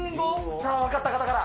さあ、分かった方から。